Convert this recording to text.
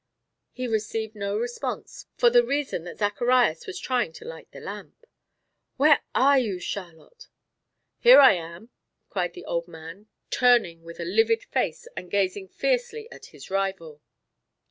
He received no response, for the reason that Zacharias was trying to light the lamp. "Where are you, Charlotte?" "Here I am," cried the old man turning with a livid face and gazing fiercely at his rival.